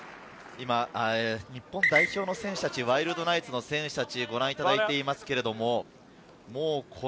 日本代表の選手たち、ワイルドナイツの選手たちをご覧いただいています。